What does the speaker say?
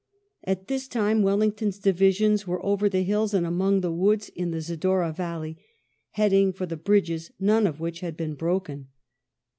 At this time Wellington's divisions were over the hills and among the woods in the Zadorra valley, heading for the bridges, none of which had been broken.